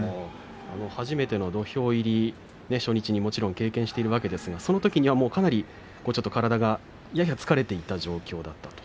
初めての土俵入り初日に経験しているわけですがそのときにはかなり体がやや疲れていたと。